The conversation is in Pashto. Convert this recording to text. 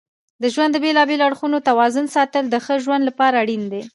د ژوند د بیلابیلو اړخونو توازن ساتل د ښه ژوند لپاره اړین دي.